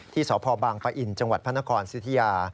ที่สบปะอิ่นจังหวัดพนครสิทธิา